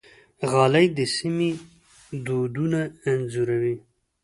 غالۍ د سیمې دودونه انځوروي.